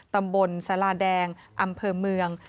ตำบลสาราแดงอำเภอเมือง